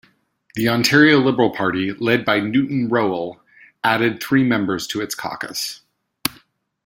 The Ontario Liberal Party, led by Newton Rowell, added three members to its caucus.